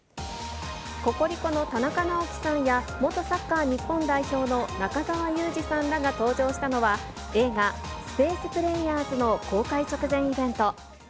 ココリコの田中直樹さんや、元サッカー日本代表の中澤佑二さんらが登場したのは、映画、スペース・プレイヤーズの公開直前イベント。